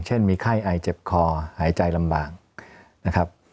เช่นมีไข้ไอเจ็บคอหายใจลำบากนะครับ